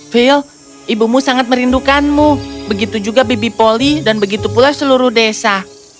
phil ibumu sangat merindukanmu begitu juga bibi poli dan begitu pula seluruh desa